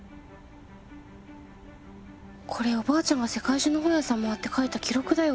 これおばあちゃんが世界中の本屋さん回って書いた記録だよ。